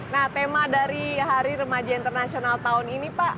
nah tema dari hari remaja internasional tahun ini pak